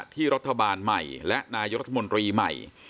ที่รัฐบาลใหม่และนายกรัฐมนตรีใหม่